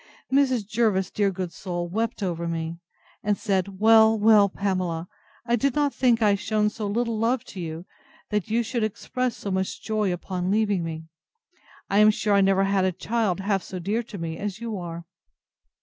Mrs. Jervis, dear good soul! wept over me, and said, Well, well, Pamela, I did not think I had shewn so little love to you, as that you should express so much joy upon leaving me. I am sure I never had a child half so dear to me as you are.